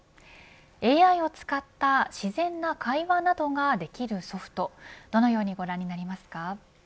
ＡＩを使った自然な会話などができるソフトどのようにご覧になりますか。